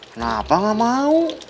kenapa gak mau